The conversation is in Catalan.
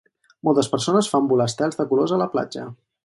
Moltes persones fan volar estels de colors a la platja.